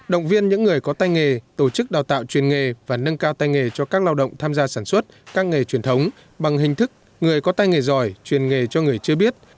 động viên những người có tay nghề tổ chức đào tạo truyền nghề và nâng cao tay nghề cho các lao động tham gia sản xuất các nghề truyền thống bằng hình thức người có tay nghề giỏi truyền nghề cho người chưa biết